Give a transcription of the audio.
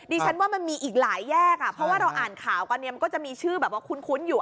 ดิฉันว่ามันมีอีกหลายแยกอ่ะเพราะว่าเราอ่านข่าวกันเนี่ยมันก็จะมีชื่อแบบว่าคุ้นอยู่